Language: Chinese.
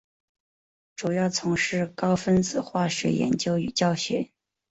主要从事高分子化学研究与教学。